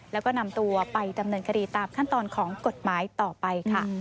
แล้วก็นำตัวไปดำเนินคดีตามขั้นตอนของกฎหมายต่อไปค่ะ